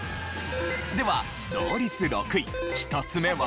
では同率６位１つ目は。